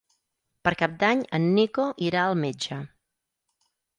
Per Cap d'Any en Nico irà al metge.